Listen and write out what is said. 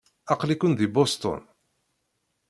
Aql-iken deg Boston.